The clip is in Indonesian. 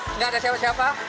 tidak ada siapa siapa